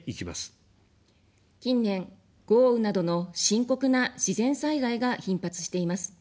近年、豪雨などの深刻な自然災害が頻発しています。